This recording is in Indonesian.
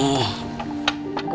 nih gua beli